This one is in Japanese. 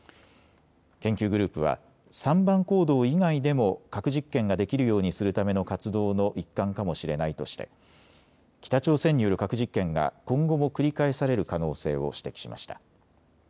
研究グループは３番坑道以外でも核実験ができるようにするための活動の一環かもしれないとして北朝鮮による核実験が今後も繰り返される可能性を指摘しました。